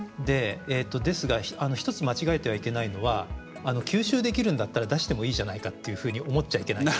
ですが一つ間違えてはいけないのは吸収できるんだったら出してもいいじゃないかっていうふうに思っちゃいけないんです。